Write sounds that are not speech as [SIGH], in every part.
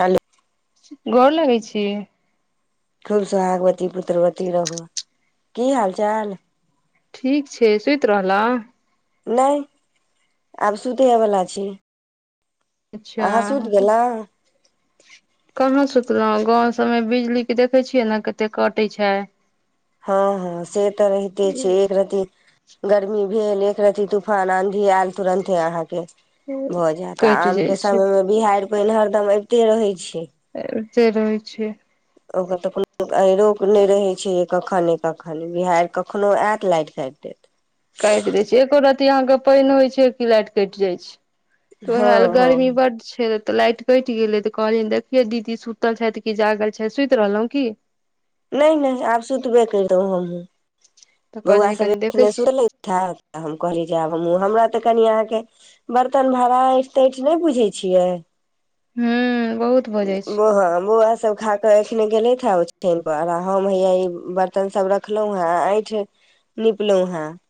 Hello स [UNINTELLIGIBLE] गोर लगै छी। खूब सोहागवती पुत्रवती रहू [UNINTELLIGIBLE] की हाल चाल। [UNINTELLIGIBLE] ठीक छै सुति रहलो। [UNINTELLIGIBLE] नहि [UNINTELLIGIBLE] आब सुतेवला छी। अच्छा अहाँ सुति [UNINTELLIGIBLE] गेलहुँ कहाँ सुतलहु गाँव। समय बिजली के देखे छियै ने कते कटे छै। [UNINTELLIGIBLE] हँ हँ से तऽ रहिते छै एक रति गर्मी भेल एक रती तूफान आंधी आयल तुरंते अहाँके भऽ जायत आ कटि आम जाइ के छै समय मे बिहाड़ि पानि हरदम अबिते रहै छै। से रहै छै। [UNINTELLIGIBLE] ओकर तऽ कोनो आहिरोक नहि रहैत छै जे कखने कखन बिहार कखनहु आयत लाइटि काटि देत। [UNINTELLIGIBLE] काटि दै छै एको र्ती अहाँके पानि होइ छै की लाटि कटि जाइ छै। [UNINTELLIGIBLE] तऽ हँ हाल हँ गर्मी ब् छै त। [UNINTELLIGIBLE] तऽ लाइट कटि गेलै तऽ कहलिय देखिये दीदी सुतल छथि कि जागल छथि सुति रहलहुं की। [UNINTELLIGIBLE] नई -नई आब सुतबे कर दौ हम। [UNINTELLIGIBLE] तऽ बौआ कहलियै सब कनि देखै एने छी सुनले था तऽ हम कहली जे आब हमँ हमरा ते कनि अहाँके। [UNINTELLIGIBLE] बर्तन भाड़ा ऐंठि तैठि नहि बुझै छियै। [UNINTELLIGIBLE] हूं। [UNINTELLIGIBLE] बोहँ बो। [UNINTELLIGIBLE] सभ खा कऽ एखने गेलथि हे ओ ठन पर आ हम हैया ई बर्तन सभ रखलहुँ हेँ ऐंठि नीपलहु हेँ। [UNINTELLIGIBLE]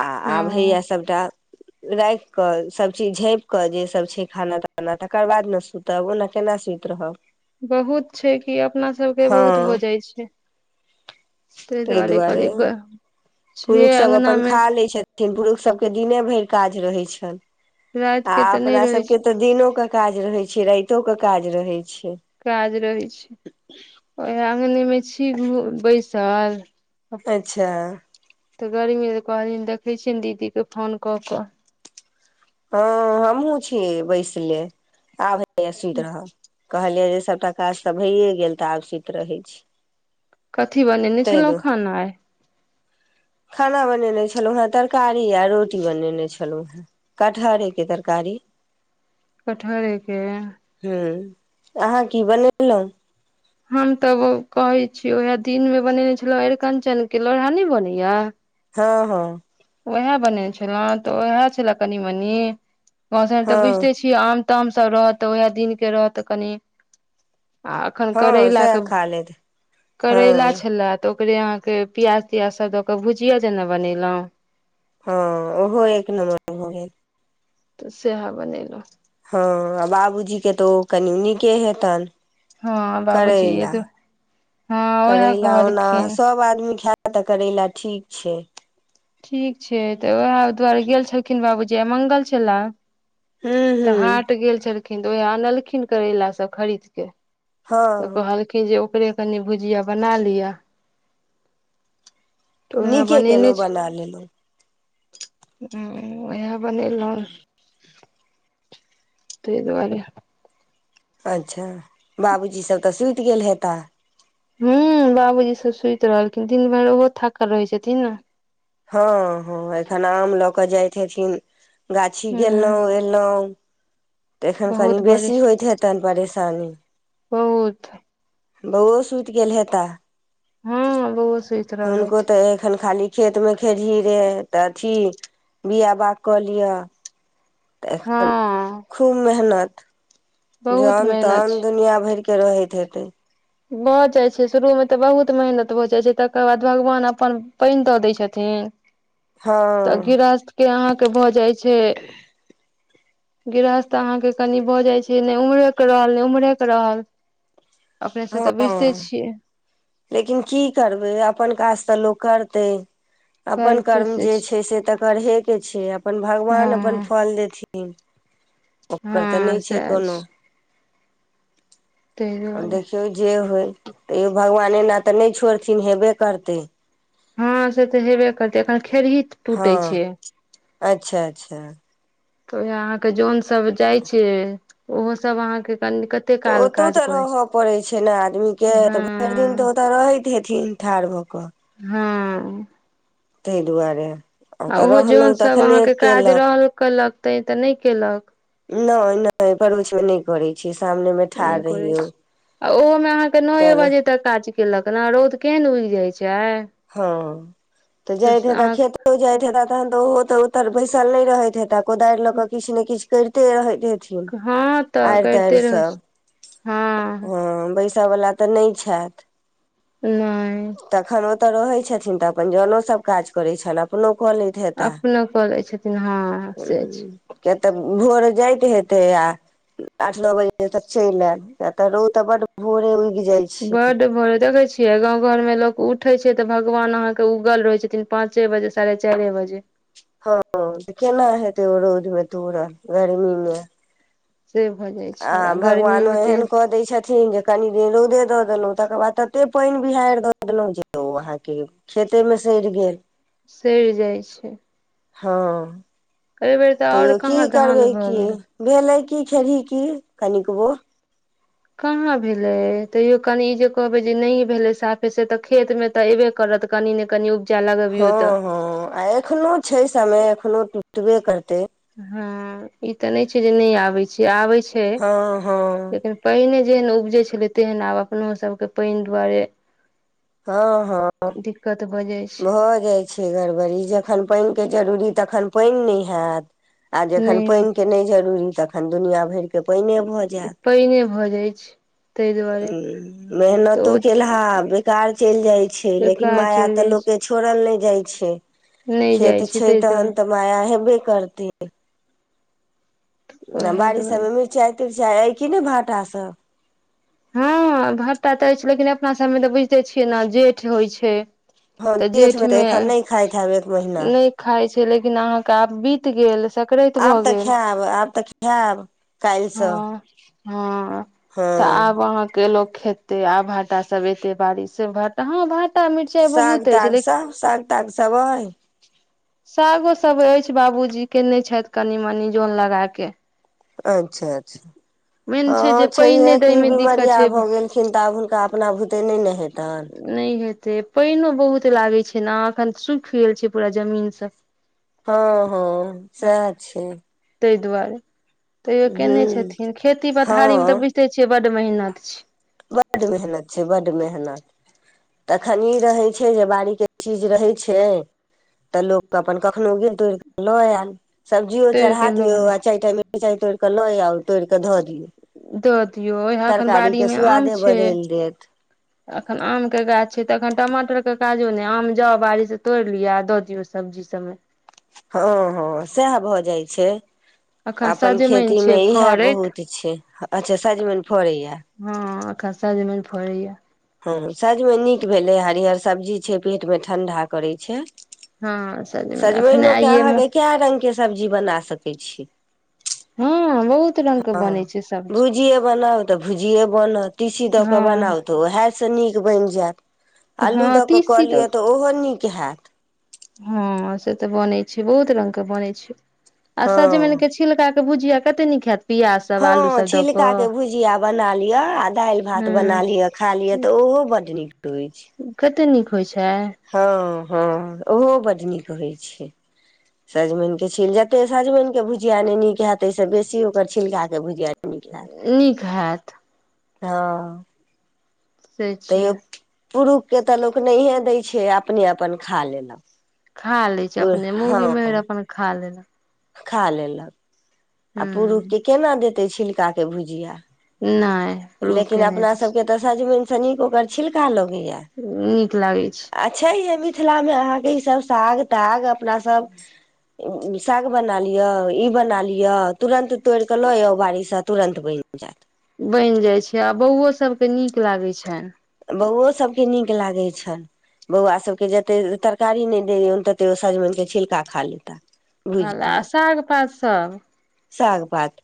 आ हँ -आब हइए सभटा। [UNINTELLIGIBLE] राखि कऽ सभचीज झाँपि कऽ जेसभ छै खाना- ताना तकर बाद ने सुतब ओना केना सुति रहब। [UNINTELLIGIBLE] बहुत छै कि अपना सबके हँ बहुत हो जाइ छै [UNINTELLIGIBLE] ताहि दुआरे करी। [UNINTELLIGIBLE] पुरुष सब अपन खा लै छथि। [UNINTELLIGIBLE] छथिन पुरुषसभके दिने भरि काज रहैत छनि। राति [UNINTELLIGIBLE] आ के तऽ नहि -अपना रहै छै सबके तऽ दिनोक के काज रहैत छै। कतो के काज रहै छै। [UNINTELLIGIBLE] काज रहै छै [UNINTELLIGIBLE] ओहि। अगने में छी घ बैसल। [UNINTELLIGIBLE] अच्छा। [UNINTELLIGIBLE] तऽ गर्मी तऽ कहलिन देखै छियनि दीदीके फोन कऽ- कऽ। [UNINTELLIGIBLE] हँ -हमहूँ छीियै बैसले आब। [UNINTELLIGIBLE] नया सुत रहब। [UNINTELLIGIBLE] कहलियै जे सभटा काज तऽ भइए गेल तऽ आब सुत रहै छी। [UNINTELLIGIBLE] कथी बनेने ताहि छलहुँ दुआरे खेनाई। [UNINTELLIGIBLE] खाना बनेने छलहुँ हेँ तरकारी आ रोटी बनेने छलहुँ हेँ कटहरेके तरकारी। [UNINTELLIGIBLE] कठहरे के। हूँ अहाँ की बनेलहुँ। हम तऽ ओ कहै छीियै उएह दिन मे बनेने छलहुँ अरिकंचन के लोहा नहि बनैया हँ हँ। ओएह बनेने छलहु तऽ उएह छले कनी मनी। मौसम तऽ हँ बुझिते छिय। तम सब रहत उएह दिनक के रहत कनि। [UNINTELLIGIBLE] आ एखन हँ करैलााक [UNINTELLIGIBLE] सएह के खा लेत हँ करैला छलए तऽ। ओकरे अहाँके प्याज तियाज सब दऽ कऽ भुजिया जेना बनेलहुं। [UNINTELLIGIBLE] हँ ओहो एक नमबर हो गेल। तऽ सहा बनैेल। हँ आ बाबूजी के तऽ ओ कनि नीके हेतनि। हँ बाबूजी य करैला त हँ उएह कहलखिन। ा तऽ करै ल ठीक छै। ठीक छै तऽ उएह दुआरे गेल छलखिन बाबूजी आ मङ्ंगल छलए। हूँ तऽ हूँ हाट गेल छल। खिन तऽ ओएह आनलखिन करैलाास सब खरीदके। तऽ हँ कहलकी जे। उे कनि भुजिया बना लि। नीके केलहुँ बना लेलहुँ। ह उएह बनलहु। त दु कहले। अच्छा। बाबू जी सब तस्वीर। क गेल हे तऽ। ह बाबूजी सब सुति रहलखिन दिन भरि ओहो थकल रहै छथिन ने। हँ हँ एखन आम लऽ कऽ जाइत हेथिन। गाछी हूँ गेललहुँं एलहुॅं। तऽ एन खनि बहुत बजै बेसी छै होइतेतन। सानी। बहुत बहु सुति गेल हे तऽ। हँ बहु। हुनको तऽ एखन खाली खेत मे खेही। जे तऽ अथी बिआ बाग कऽ लिअ। तऽ एन हँ खूब मेहनत। बहुत जन मेहनत तन छै दुनिया भर के। र हतेतै। भऽ जाइत छै शुरूमे तऽ बहुत मेहनत भऽ जाइत छै तकर बाद भगवान अपन पानि दऽ दैत छथिन। तऽ हँ अगी रास्त के अहाँ। पहुँ जाइ छै। छै। गिरहस्थ अहाँके कनि भऽ जाइ छै नहि उम्हरेके रहल नहि उम्हरेके रहल। अपनेसँ तऽ बैझिते हँ छियै। लेकिन की करबै अपन काज तऽ। लोक कर त। अपन करते कर्म से जे छै से तऽ। पढ़े के छै। अपन भगवान अपन हँ फल देथि। हन। ओकर तऽ हँ नहि छै सएह कोनो। ताहि आब दुआरे देखियऔौ जे होइ। त भगवान। नेना तऽ नहि छोड़थिन हेबे करतै। हँ से तऽ जेबै करतै। खेर ही हँ टूटे छै। अच्छा अच्छा। तऽ ओ अहाँके जन सब जाइ छै ओहो सब अहाँके। कनि कते तऽ काल ओतहु काज तऽ करै छै रहय पड़ैत छै ने आदमीके तऽ भरि दिन तऽ हँ ओतय रहैत हेथिन ठाढ़ भऽ कऽ। ह। ताहि दुआरे। आ ओतऽ ओहो जौन रहलहुँ सभ तखने अहाँके काज केलक रहल कलक। ते तऽ नहि केलक। नहि नहि पोच मे नहि करै छी। नहि करैत छी आ ओहोमे अहाँके नए तल बजे तक काज। केलक रौद केहन उगि जाइ छै। हँ तऽ जाइथ त खेत जाइ त तन तऽ ओ। तऽ ओतर बैसल नहि रहैत हे तब। कोदारि लऽ कऽ किछु ने किछु। करिते हइ। हँ तऽ करते रह सब हँ। पसा वला तऽ नहि छथि। नइ। तऽ रहै छथिन तऽ अपन जऽनो सब काज करै छैन अपनों। अपनों कऽ लै छथिन हँ से छै। किया तऽ भोर जाइत हेते आ आठ नओ बजे तक चलि आयल त रो त बड भोरे। जाइ छै बड बल त कहै। य गाँंव घर में लोग उठे छै तऽ भगवान अहाँ के उगल रहे छथिन, पाँचे बजे साढ़े चारे बजे। हँ त केना हेतै ओ रौदा में तोरा गर्मी में। से भऽ जाइ छै आ गर्मी भगवानो ओते एहन कऽ दै छथिन जे। कनि दिन रौदे दऽ देलहुँ, तकर बाद तते पानि बिहैरि दऽ देलहुँ जे ओ अहाँके। खेते मे सड़ि गेल सइर जाइ छै। हँ। एहि बेेर तऽ आओर तैयो की कहाँ करबै धान भऽ कीयौ गेल भेलै क। की खेबही की, कनिकबो। कहाँ भेलै तैयो कनि ई जे कहबै जे नहि भेलै साफे से तऽ खेतमे तऽ अयबे करत कनि ने कनि। उपजा हँ लगबियौ तऽ हँ, आ एखनो छै समे एखनो। तबे करतै। हँ ई तऽ नहि छै जे नहि आबै छै आबै। छै हँ हँ लेकिन पहिले। जेहन उपजे छलै तेहन आब अपनों सबके पाइन दुआरे। हँ हँ दिक्कत भऽ जाइ छै भऽ जाइत छै गड़बड़ी जखन पानिके जरूरी तखन। पाइन नइ हैत। आ जखन नहि होइ पाइन के नहि जरूरी। तखन दुनिया भरि। त पहिन भऽ जैत, पाइने भऽ जाइ छै ताहि दुआरे तऽ मेहनतो ओ केलहा। कार चलि जाइ। छै लेकिन बेकार माया चलि तऽ जाइ लोक छै के छोड़ल नहि। जाइ छै। नहि खेत जाइ छै ताहि दुआरे तहन तऽ माया हेबे करतै। ह। ओएह बाड़ि दुआरे सबमें मिरचाई-तीरचाई अय। कि ने भाटा सब। हँ भट्टा तऽ अछि लेकिन अपना सबमें तऽ बुझिते छियै ने जेठ होइ छै। हँ तऽ जेठ में तऽ जेठमे एखन नहि खाइत हैब, एक महिना। नहि खाइ लेकिन अहाँके आब बीत गेल। सकराति आब भऽ तऽ गेल खायब आब तऽ खायब काल्हिसँ। हँ हँ। हँ। के लोको खेते आब भाटा सब एते बारिश भ ह भा। ओ मिरचाई साग बहुत अछि ताग लेकि, सब साग ताग सब अइ सागो सब अछि। बाबूजी केने छथि कनि-मनि जऽन लगा के। अच्छा-अच्छा मेन छै जे हँ पानि नहि छैहे दै कि मे बिमार। दिक्कत रिया छै भऽ गेलखिन तऽ आब हुनका अपना भुते नहि ने हेतनि। से पानिो बहुत लागैत छै ने एखन सूखि गेल छै पूरा जमीनसँ। हँ हँ सएह छै। ताहि दुआरे। तैयो केने हूँ छथिन खेती पथारी मे तऽ बुझिते छियै। बड महहिना। छ। बड मेहनत छै ब। ब मेहनत तखन ई रहैत छै जे बाड़ीके चीज रहैत छै तऽ लोक अपन कखनो गिन तोड़ कऽ लऽ आयल। सब्जियो तोड़ के चढ़ा दियऔ लोन आ चारि टा। चइ तोर कल आउ। तोरिक धऽ दिय। ियौ यहा एखन बाड़ी मे आम छै देत एखन आम के गाछ छै तऽ अखन। टमाटर के काजो नहि आम जाउ बाड़ी से तोड़ि लिअ आ दऽ दियौ सब्जी सबमे। हँ हँ सेह भऽ जाइ छै। छै। अखन अपन सजमनि छै खेतीमे इएह फड़ैत बहुत छै अच्छा सजमनि फड़ैए। कसा जमन फड़ैया। हँ सजमे नीक भेलै हरियर सब्जी छै पेटमे ठंडा करै छै। हँ सखने सजमनिओके आइए। अहाँके कए रङ्गके सब्जी बना सकै छी। हँ। बहुत रंग के हँ बनै छै सब्जी भुजिए बनाउ तऽ भुजिए बनत तीसी दऽ कऽ बनाउ तऽ उएहसँ नीक बनि जायत आलू हँ दऽ कऽ कऽ तीसी लियअ तऽ ओहो नीक। के हथ। हँ से तऽ बनै छै बहुत रंगग के बनै छै। हँ आशा जे म कि छलक। भुजिया कते न खत। हँ छिलकाके भुजिया बना लिअ आ दालि भात बना हूँ लिअ खा लिअ तऽ ओहो बड्ड नीक हो हो छै। कते नीक होइ छै हँ। हँ ओहो बड नीक होय छै सजमनि के छीिल जते सजमनि के भुजिया ने नीक हयत से बेसी ओकर छिलका के भुजिया। नीक हैत नीक हैत। हँ। से छैियै। पुरुषके तऽ लोक नहिए दै छै अपने अपन खा लेलक। खा ले छै अपने मूगी हँ मेर अपन खा लेना। खा लेल ल। आ पुरुष हूँ के केना देता। ते छिलका के भुजिया। नहि। लेकिन रूहके नहि अपना दै सबके तऽ सजमन। सनीे ओगकर छिलका लो। नीक लागै छै। मिथिला मे अहाँके ई सब साग ताग अपना सब। साग बना लियअ इ बना लियअ तुरंत तोड़ के लऽ यऔ। बुआड़ीसँ तुरन्त बनि जायत। बनि जाय छै आ बौओ सब के नीक लागे छनि। बौओ सबके नीक लागे छनि बौआ सबके जते तरकारी नहि देौन तते ओ सजमनि के छिलका खा लेता। ख ल अ ह ग पास। त। सागपात।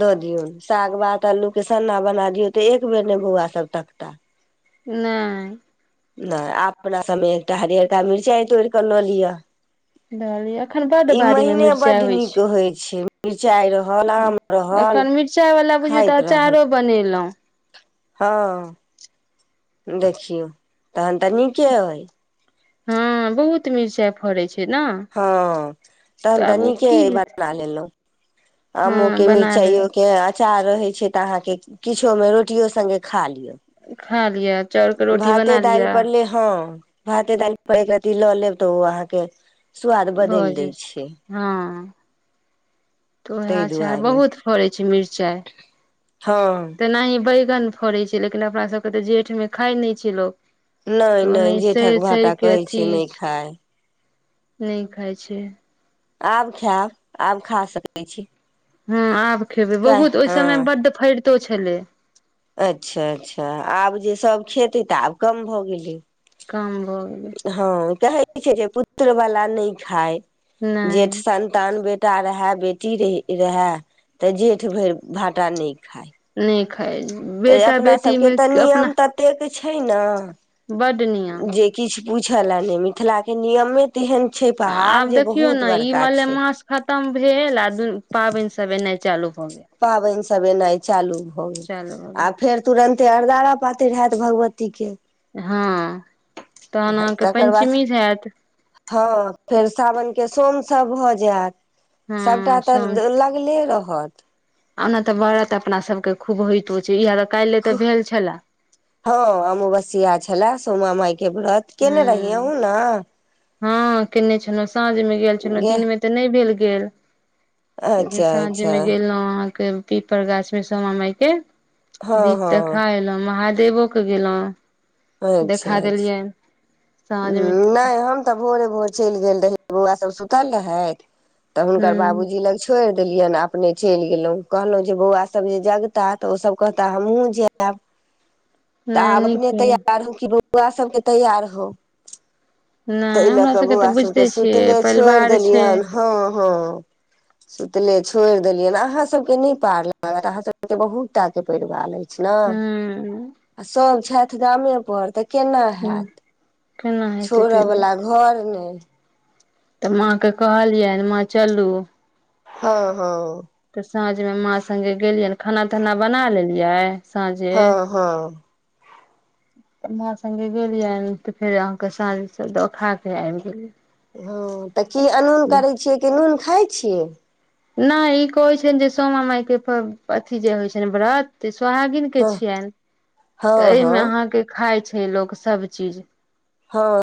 धऽ दियौ साग भात आलू के सन्ना बना दियौ तऽ एक बेर ने बौआ सब तकता। नहि। नहि अपना सभमे एकटा हरिियरका मिरचाइ तोड़ कऽ लऽ लिअ। रहलियै एखन बड ई बाड़ीमे महीने मिर्चाइ बड्ड होइ नीक छै। छै मिरचाइ रहल आम रहल एखन मिर्चाई वला बुझौ तऽ खाइत रहल अचारो बनेलहुँ। हँ देखियौ तहन तऽ नीके अइ। हँ बहुत मिर्चाई फड़े छै। ने हँ तहन तऽ आब ओ नीके की हेतै बना लेलहुँ। आम ओ हँ के बना मिरचाइयो के लेली अचार है। त अहाँ के किछो में रोटियो से खा लियो। खा लिय चाउर के रोटी बना लिय। दालि पर ले हँ भाते दैल पर एक रति लऽ लेब तऽ ओ अहाँके स्वाद भऽ बदलि दै जेतै छै। हँ तऽ उहै ताहि छै, दुआरे बहुत फरै छै। [INAUDIBLE] हँ तऽ नहि ब। न फड़े छै लेकिन अपना सब के तऽ जेठ में खााय नहि छै लोकोग। नइ नइ जेठक भाटा कहै छै नइ खाय। नइ खाय छै। आब खैब, आब खा सकै छी। हँ आब खेबै। कै बहुत ओइ हँ समय मे बड्ड फरि तो छेले। अच्छा अच्छा। आब जे सभ खेते तऽ आब कम भऽ गेलै। काम भऽ गेलै हँ कहै कहै छै जे पुत्र वला नइ खाय। जेठ नहि संतान बे बेटा रहे बेटी रही रहे तऽ जेठ भरि भाटा नीक खाय अइछ बेटा बेटी सबके मे नियम अपना तऽ ततेक छै न, बड नियम। बुझल या ने मिथिला के नियमे तेहन छै पहाड़ आब जे देखियौ बहुत ने ई बड़का मले छै मास खतम भेल आ पाबनि सब एनाइ चलू। पाबैन सबबे इनाय चालू बहुत, चालू भऽ आ गेल फेर तुरन्त ते अरदारा पातैर हैत भगवती के हँ तहन अहाँके तकर बाद, पंचमी हैत हँ फेर साावनके सोम सब भऽ जैत हँ सबटा तऽ लगले रहत। आना तऽ भ जैत अपना सबके खूब होइत होइत चिड़िया तऽ काइले तऽ भेल छेले हेलो, सोमा मइ। के व्रत केने रहि अहू न। हँ केने छलौं। साँझ में गेल छलहुँ गे दिन में तऽ नहि भेल गेल। [UNINTELLIGIBLE] त अइबेर अच्छा सांझ अच्छा में गेलौं अहाँ फेर पीपर गाछ मे सामा माय के हँ दीप तऽ हँ खायल महाद। देबोके गेलहु। अच्छा देखा अच्छा देलियनि। ह नहि हम तऽ भोरे-भोर। चलि गेल रही बउआ सब सुतल रहैथि। तऽ हुनकर हूँ बाबूजी लग छोड़ि। देलियनि अपने चलि गेलहुँ, कहलहुँ जे बौआ सभ जे जगताह तऽ ओसभ कहता हमहुूँ जैब। तऽ नहि आब नीक अपने केलहुँ तैयार हों कि बो। बौआ सभके तैयार हो। नहि ताहि लऽ हमरा कऽ बौआ तऽ सबके बुझिते छियै सुतले छोड़ि परिवार छै देलियनि हँ हँ, सुतले छोड़ि देलियनि अहां। अ सब के नइ पार लागत अहाँ सबके तऽ बहुत टा के परिवाल अछि। आ हूँ सब छथि। गामे पर त। केना हैत। केना हेतै छोड़ऽ तैयो वला घर। त। तऽ माँके कहलियनि माँ चलू। हँ हँ तऽ साँझमें माँ संगे गेलियैन। खाना-ताना बना लेलियै। साँझे हँ हँ। माँ सङ्गे गेलियनि तऽ फेर अहाँके साँझसे देखा के आबि गेलिय। हँ। तऽ की अनून करै छियै कि नून। खाइ छियै। नहि ई कहैन छनि जे सोमा माय के अथी जे होइ छनि व्रत। सोहागिन के हँ छियनि हँ तऽ हँ एमे अहाँ के खाय छी। हे लोक सब चीज हां।